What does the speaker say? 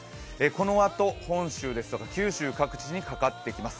このあと本州ですとか九州各地にかかってきます。